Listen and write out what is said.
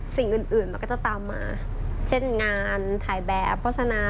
สิ่งอื่นอื่นมันก็จะตามมาเช่นงานถ่ายแบบโฆษณา